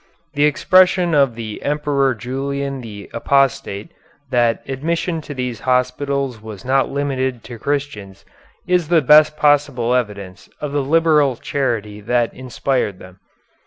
The expression of the Emperor Julian the Apostate, that admission to these hospitals was not limited to Christians, is the best possible evidence of the liberal charity that inspired them.